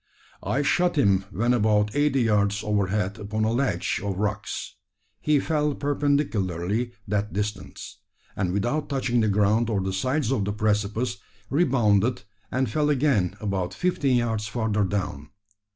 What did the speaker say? I shot him when about eighty yards overhead upon a ledge of rocks. He fell perpendicularly that distance, and, without touching the ground or the sides of the precipice, rebounded, and fell again about fifteen yards further down.